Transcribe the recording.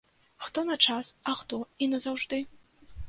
Хто на час, а хто і назаўжды.